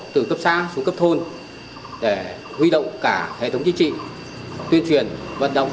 từ cấp xã xuống cấp thôn để huy động cả hệ thống chính trị tuyên truyền vận động